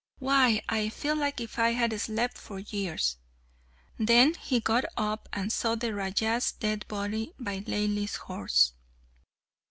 Why, I feel as if I had slept for years!" Then he got up and saw the Raja's dead body by Laili's horse.